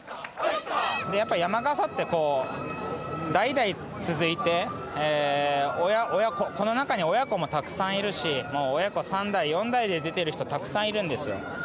やっぱり山笠ってこう代々続いて親子この中に親子もたくさんいるし親子３代４代で出てる人たくさんいるんですよ。